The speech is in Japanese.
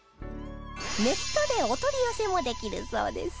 ネットでお取り寄せもできるそうですよ